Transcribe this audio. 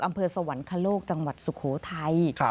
อำเภอสวรรคโลกจังหวัดสุโขทัย